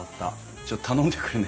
ちょっと頼んでくるね。